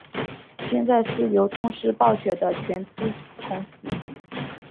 现在是由动视暴雪的全资子公司。